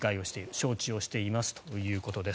承知をしていますということです。